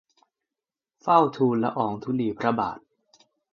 เฝ้าทูลละอองธุลีพระบาท